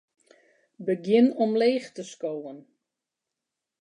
Begjin omleech te skowen.